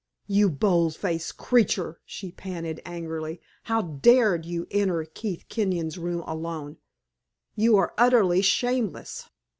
"You bold faced creature!" she panted, angrily, "How dared you enter Keith Kenyon's room alone? You are utterly shameless!"